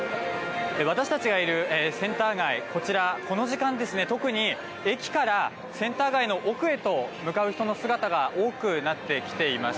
私たちがいるセンター街、こちらこの時間、特に駅からセンター街の奥へと向かう人の姿が多くなってきています。